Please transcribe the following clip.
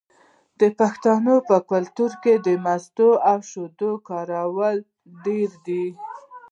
د پښتنو په کلتور کې د مستو او شیدو کارول ډیر دي.